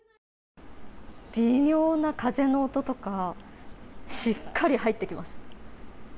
微妙な風の音とかしっかり入ってきます。